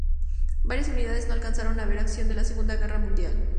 Varias unidades no alcanzaron a ver acción en la Segunda Guerra Mundial.